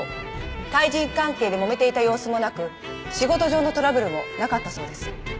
対人関係でもめていた様子もなく仕事上のトラブルもなかったそうです。